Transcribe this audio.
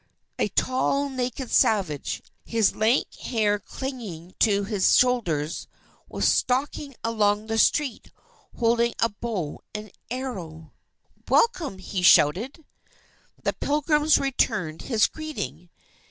A tall naked savage, his lank hair clinging to his shoulders, was stalking along the street, holding a bow and arrows. "Welcome!" he shouted. The Pilgrims returned his greeting.